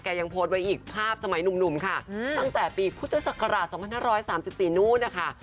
แกยังโพสไว้อีกภาพสมัยหนุ่มค่ะตั้งแต่ปีพุทธศักราชสองพันห้าร้อยสามสิบสี่นู้นนะคะ